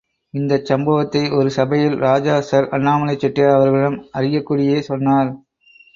இந்தச் சம்பவத்தை ஒரு சபையில் ராஜா சர் அண்ணாலை செட்டியார் அவர்களிடம் அரியக்குடியே சொன்னார்.